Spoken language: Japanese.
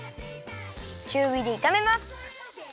ちゅうびでいためます。